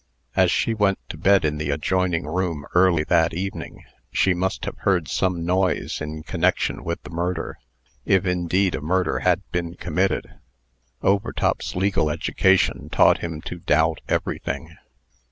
As she went to bed in the adjoining room early that evening, she must have heard some noise in connection with the murder if, indeed, a murder had been committed. Overtop's legal education taught him to doubt everything.